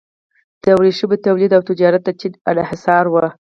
د ورېښمو تولید او تجارت د چین انحصاري و.